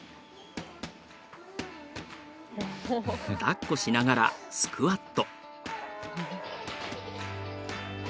だっこしながらスクワット。